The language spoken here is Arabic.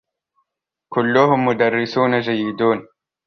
كلهم مدرّسون جيدون.